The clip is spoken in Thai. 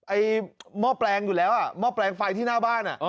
หม้อแปลงอยู่แล้วหม้อแปลงไฟที่หน้าบ้าน